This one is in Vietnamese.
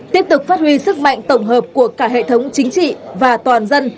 tiếp tục phát huy sức mạnh tổng hợp của cả hệ thống chính trị và toàn dân